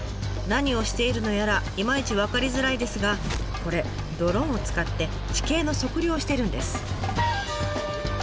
何をしているのやらいまいち分かりづらいですがこれドローンを使って地形の測量をしているんです。